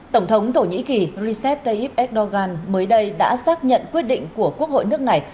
tổng thống thổ nhĩ kỳ recep tayyip erdogan mới đây đã xác nhận quyết định của quốc hội nước này